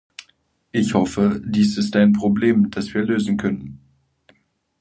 Ich hoffe, dies ist ein Problem, das wir lösen können.